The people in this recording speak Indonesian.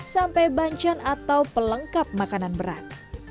sampai banchan atau pelengkap makanan berat